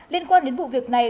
liên quan đến vụ việc này